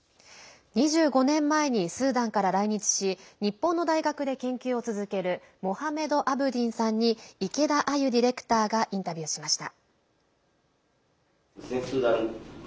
２５年前にスーダンから来日し日本の大学で研究を続けるモハメド・アブディンさんに池田亜佑ディレクターがインタビューしました。